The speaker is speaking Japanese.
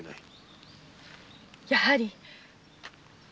やはり。